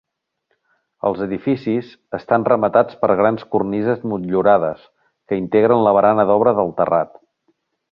Els edificis estan rematats per grans cornises motllurades que integren la barana d'obra del terrat.